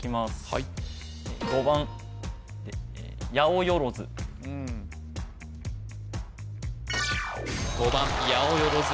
はい５番やおよろず